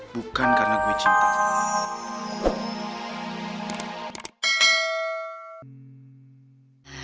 bukan karena gue cinta